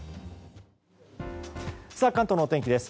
関東のお天気です。